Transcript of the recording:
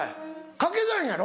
掛け算やろ？